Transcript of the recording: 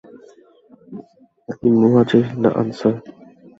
আমি মুহাজির, না আনসার?